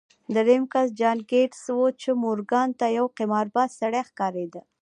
درېيم کس جان ګيټس و چې مورګان ته يو قمارباز سړی ښکارېده.